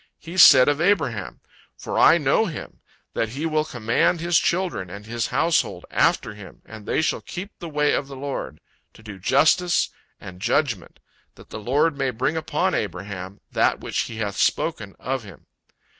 He said of Abraham, "For I know him, that he will command his children and his household after him, and they shall keep the way of the Lord, to do justice and judgment, that the Lord may bring upon Abraham, that which He hath spoken of him."